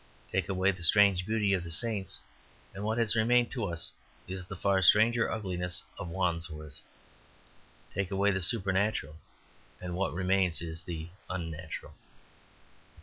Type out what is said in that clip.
Take away the strange beauty of the saints, and what has remained to us is the far stranger ugliness of Wandsworth. Take away the supernatural, and what remains is the unnatural.